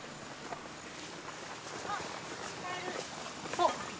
あっ。